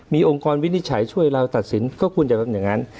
มีองค์กรวินิจฉัยช่วยเราตัดสินก็ควรจะเป็นอย่างนั้น